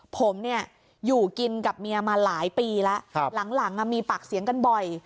ผมเนี่ยอยู่กินกับเมียมาหลายปีแล้วหลังมีปากเสียงกันบ่อย